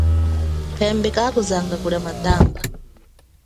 Phembe kakuzanga kulia matamba.